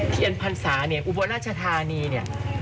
เทียนพันษาอุบลราชธานีเนี่ย